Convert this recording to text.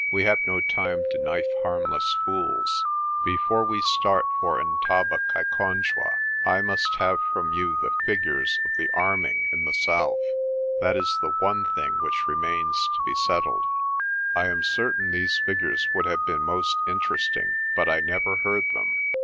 We have no time to knife harmless fools. Before we start for Ntabakaikonjwa I must have from you the fig ures of the arming in the south. That is the one thing which remains to be settled." I am certain these figures would have been most inter esting, but I never heard them.